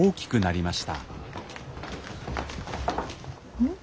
うん？